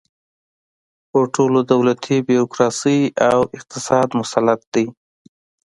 پر ټولې دولتي بیروکراسۍ او اقتصاد مسلط دی.